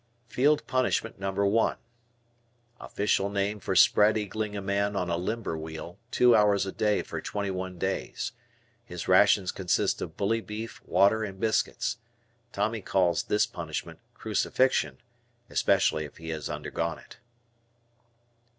Field Punishment No. I. Official name for spread eagling a man on a limber wheel, two hours a day for twenty one days. His rations consist of bully beef, water, and biscuits. Tommy calls this punishment "Crucifixion," especially if he has undergone it.